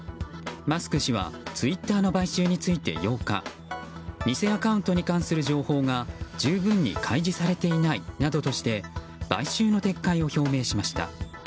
マスク氏はツイッターの買収について８日偽アカウントに関する情報が十分に開示されないなどとして買収の撤回を表明しました。